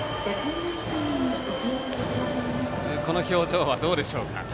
この表情はどうでしょうか。